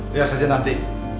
lihat saja nanti